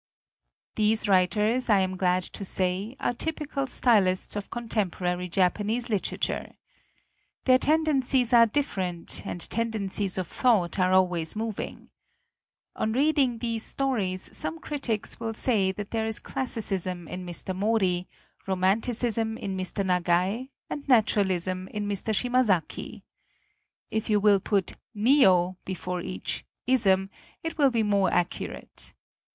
These writers, I am glad to say, are typical stylists of contemporary Jap anese literature. Their tendencies are different, and tendencies of thought are always moving. On reading these stories some critics will say that there is classicism in Mr. Mori, romanticism in Mr. Nagai and naturalism in Mr. Shimazaki. If you will put "Neo" be fore each "ism," it will be more accu rate.